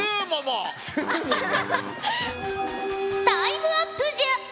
タイムアップじゃ。